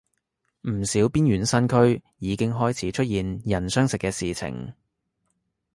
唔少邊遠山區已經開始出現人相食嘅事情